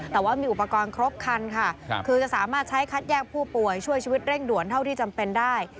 แต่ว่ามีอุปกรณ์ครบคันค่ะคือจะสามารถใช้คัดแยกผู้ป่วยช่วยชีวิตเร่งด่วนเท่าที่จำเป็นได้